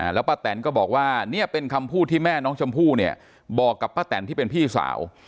แล้วป้าแตนก็บอกว่าเนี่ยเป็นคำพูดที่แม่น้องชมพู่เนี่ยบอกกับป้าแตนที่เป็นพี่สาว